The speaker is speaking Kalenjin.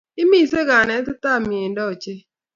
Imise kinatete ab meindo ochei